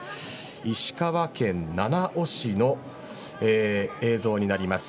石川県七尾市の映像になります。